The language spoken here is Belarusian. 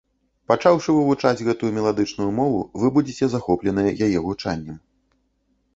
Пачаўшы вывучаць гэтую меладычную мову, вы будзеце захопленыя яе гучаннем.